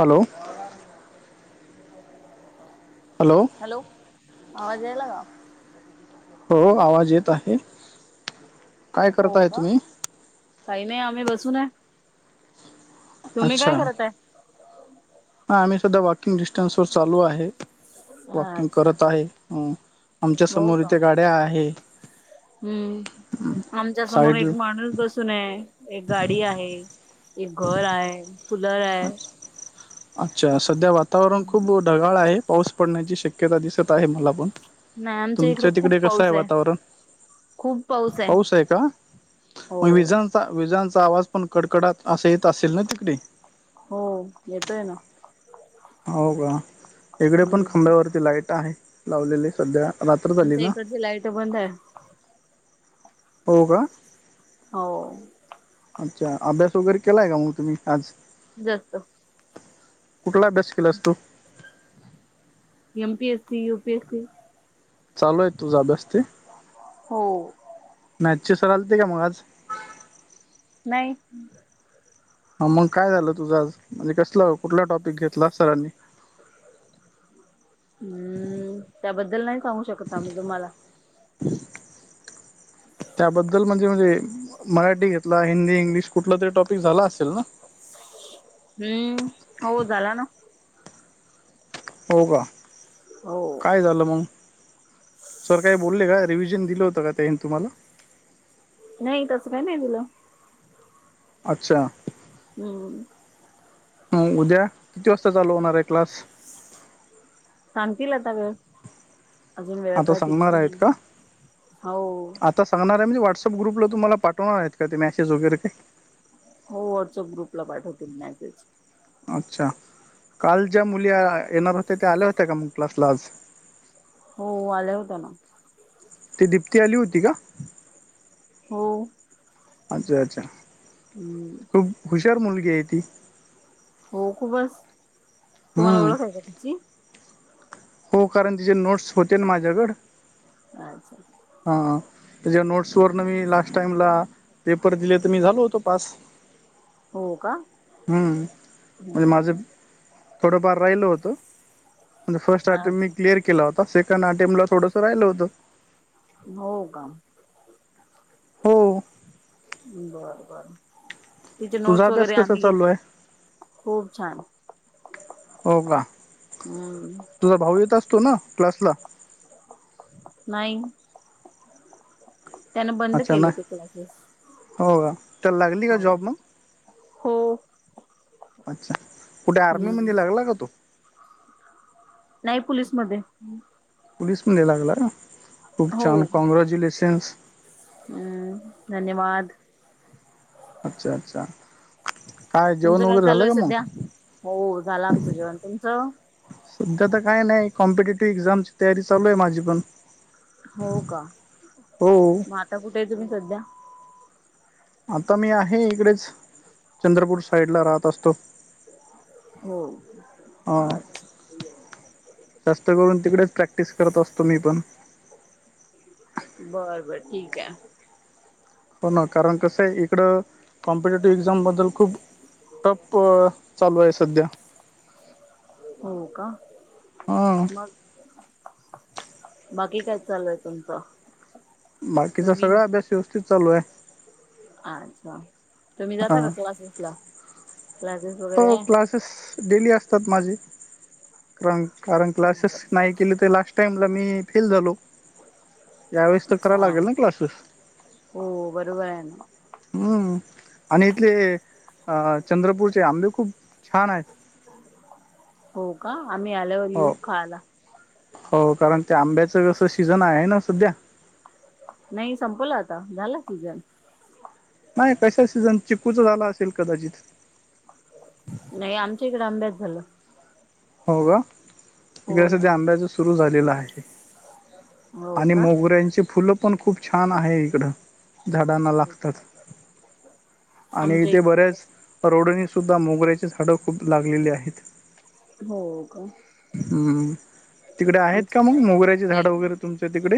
Hello. [unintelligible] Hello! आवाज याला का? हो आवाज येत आहे. काय हो करताय का तुम्ही काही नाही आम्ही बसूनय. तुम्ही अच्छा काय करत आहे? हा आम्ही सुद्धा वॉकिंग डिस्टन्स वर चालू आहे. वॉकिंग अच्छा करत आहे अ आमच्या हो समोर का इथे गाड्या आहे हम्म आमच्यासमोर साईड एक माणूस बसून आहे एक गाडी आहे एक घर आहे कुलर आहे. अच्छा सध्या वातावरण खूप ढगाळ आहे पाऊस पडण्याची शक्यता दिसत आहे मला पण. नाही आमच्या इकड तुमचं खूप तिकडे कसं पाऊस आहे वातावरण. पाऊस आहे का हो मग विजांचा विजांचा. आवाज पण कडकडात असा येत असेल ना तिकडे. हो येतोय ना. हो का इकडे पण हम्म खांब्यावरती लाईट आहे लावलेली सध्या रात्र झाली आमच ना इकडची लाइट बंद आहे. हो का. हो! अच्छा अभ्यास वगैरे केलाय का मग तुम्ही आज जातो. कुठला अभ्यास केला अस तू. M PS C U PS C. चालू आहे तूझ अभ्यास ते. हो. मॅचची सरलते का मग आज. नाही. हा मग काय झालं तुझं आज म्हणजे कसलं कुठला टॉपिक घेतला सरांनी. हम्म त्याबद्दल नाही सांगू शकत आम्ही तुम्हाला. त्याबद्दल म्हणजे म्हणजे मराठी घेतला हिंदी इंग्लिश कुठला तरी टॉपिक झाला असेल ना. हम्म हो झाला ना. हो का हो काय झालं मग सर काही बोलले काय? रिव्हजन दिलं होतं का ते येन तुम्हाला? नाही तसं काही नाही दिलं. अच्छा! हम्म हो उद्या किती वाजता चालू होणार आहे क्लास? सांगतील आता वेळ अजून वेळ आता काय फिक्स सांगणार आहेत नाही का हो. मी व्हॉट्सअप ग्रुपला तुम्हाला पाठवणार आहेत का ते मेसेज वगैरे काय? हो व्हॉट्सअप ग्रुपला पाठवतील मॅसेज. अच्छा काल ज्या मुली येणार होत्या त्या आल्या होत्या का मग क्लासला आज. हो आल्या होत्या ना. ति दीप्ती आली होती का? हो अच्छा अच्छा! हम्म खूप हुशार मुलगी आहे ती. हो खूपच तुम्हाला हम्म ओळख आहे का तिची, हो कारण तिचे नोट्स होते माझ्याकडे. अच्छा! त्या नोट्स वरन मी लास्ट टाईमला पेपर दिले तर मी झालो होतो पास. हो का हम्म म्हणजे माझं हम् थोडंफार राहिल होतं म्हणजे फर्स्ट अटे मी अच्छा क्लिअर केला होता सेक नाट्यमला थोडस राहिलं होतं. हो का. हो बर बर तिचे तुझा नोट्स अभ्यास वगैरे कसा आम्ही चालू घेत आहे खूप छान. हो का हम्म तुझा भाऊ येत असतो ना. क्लासला नाही त्याने बंद अच्छा केले ते नाही क्लासेस. हो का तर लागली का हो जॉब मग? हो अच्छा कुठे आर्मी हम्म मध्ये लागला का तो? नाही पोललीसमध्ये. पोलीस मध्ये लागला खूप छान हो कॉँग्रॅच्युलेशन्स. हम्म धन्यवाद. अच्छा अच्छा! जेवण तुमचं काय वगैरे चालू झालं आहे का मग सध्या हो झालं आमचं जेवण तुमचं. सध्या तर काय नाही कॉम्पिटेटिव्ह एक्झामची तयारी चालू आहे माझी पण, हो का हो मग आता कुठे आहे तुम्ही सध्या? आता मी आहे इकडेच चंद्रपूर साईडला राहत असतो. हो हा अच्छा जास्त करून तिकडे, प्रॅक्टिस करत असतो मी पण, बर बर ठीक आहे. हो ना कारण कसं आहे इकडं कॉम्पिटेटिव्ह एक्झाम बद्दल खूप, टप चालू आहे सध्या. हो का हां मग, बाकी काय चाललंय तुमचं. बाकीचा नवीन सगळा अभ्यास व्यवस्थित चालू आहे. अच्छा तुम्ही जाता का हां क्लासेस ला? हो क्लासेस डेली असतात माझी कारण, कारण बर क्लासेस नाही बर केले तर लास्ट टाईम ला मी फेल झालो. यावेेळेस तर कराव अच्छा लागेल ना क्लासेस. हो बरोबर आहे ना हम्म [inaudible] आणि इथले अ चंद्रपूरचे आंबे खूप छान आहेत. हो, का आम्ही आल्यावर हो येऊ खायाला. हो कारण ते आंब्याचं कसं सीजन आहे ना सध्या नाही संपलं आता झाला सीझन नाही तशी सीझन चिकूचा झाला असेल कदाचित हॅलो हो, ग इकडे ना. सध्या आंब्याच सुरू झालेला आहे. हो आणि का? मोगऱ्यांची फुलं पण खूप छान आहे इकडं झाडांना लागतात [inaudible] आणि आमच्या इथे इक बऱ्याच रोढणी सुद्धा मोगऱ्याची झाडंयु खूप लागलेली आहेत [inaudible] होय का हम्म तिकडे आहेत आमच का मग मोगऱ्याचे झाडे वगैरे तुमच्या तिकडे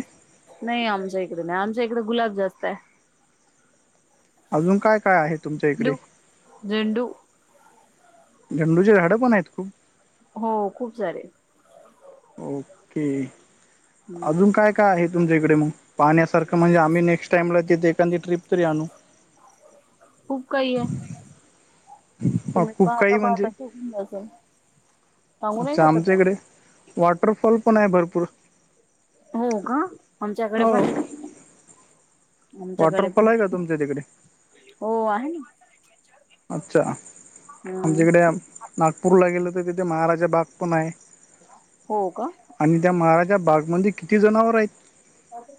नाही आमच्या इकडे नाही आमच्या इकडे गुलाब जास्त आहे. अजून काय -काय आहे तुमच्या इकडे झेंडू झेंडू झेंडूची झाडे पण आहेत खूप हो, खूप सारे ओके [inaudible] अजून हम्म काय -काय आहे तुम्हाचाकडे पाण्यासारख म्हणजे आम्ही नेक्स्ट टाइमला इथे एखादी ट्रीप तरी आणू खूप काय आहे. हा तुम्ही खूप पाहता काही म्हणजे -पाहता ते अस सांगू नाही अच्छा आमच्या शकताय. इकडे वॉटरफॉल पण आहे भरपूर हो का आमच्याकडे हो पण [inaudible] आमच्याकडे पण वॉटरफॉल आहे का तुमच्या तिकडे हो आहे ना अच्छा हम्म आमच्याकडे नागपूरला गेलं तर तिथे महाराजा बाग पण आहे हो का [inaudible] आणि त्या महाराजा बागमध्ये किती जनावर आहेत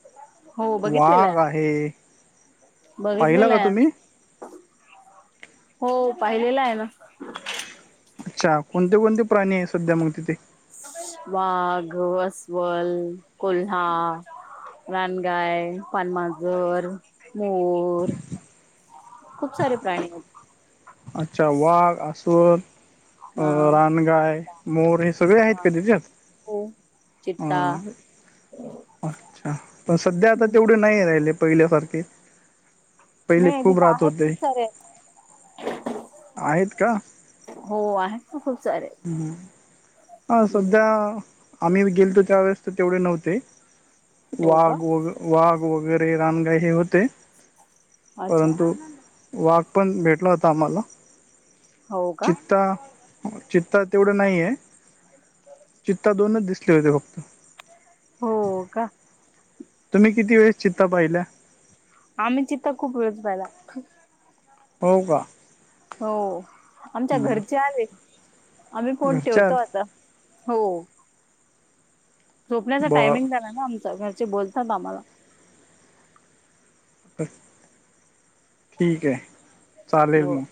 [inaudible] हो बघितलेलं. वाघ आहे पाहिला का बघितलेलंय. तुम्ही हो पाहिलेला आहे ना अच्छा कोणते -कोणते प्राणी आहे सध्या मग तिथे. वाघ, असवल, कोल्हा,. रानगाय, पान मांजर, मोर खूप सारे प्राणी आहेत अच्छा वाघ, अस्वल अ हा रानगाय, मोर हे सगळे आहेत का त्याच्यात चित्ता हम्म अच्छा पण सध्या आता हम्म तेवढे नाही राहिले पहिल्यासारखे. मी पहिले खूप तिथं राहत आहेत खूप होते सारे [inaudible] आहेत का? हो आहेत ना खूप सारे [unintelligible] हा सध्या हम्म आम्ही गेलतो त्या वेेळेस तर तेवढे नव्हते. हो वाघ का वग वाघ वगैरे रानगाय हे होते. अच्छा परंतु वाघ पण भेटला होता आम्हाला. हो का चित्ता चित्ता तेवढं नाहीय. चित्ता दोनच दिसले होते फक्त. हो का? तुम्ही किती वेळेस चित्ता पाहिला? आम्ही चित्ता खूप वेळेस पाहिला. हो का? हो. आमच्या हं. घरचे आले आम्ही फोन ठेवतो घरच्यात आता. हो. झोपण्याचा टायमिंग बरं झाला ना आमच घरचे बोलतात आम्हाला. [unintelligible] ठीक आहे चालेल हो मग.